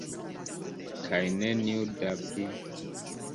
Kaj neniu da pli.